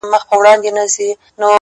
له سجدې پورته سي’ تاته په قيام سي ربه’